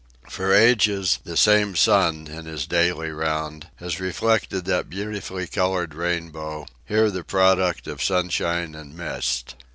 For ages the same sun, in his daily round, has reflected that beautifully colored rainbow, here the product of sunshine and mist.